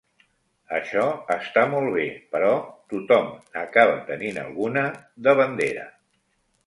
Això està molt bé, però tothom n'acaba tenint alguna, de bandera.